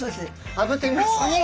あぶってみますね。